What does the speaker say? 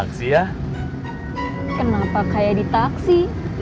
kenapa kaya di taksi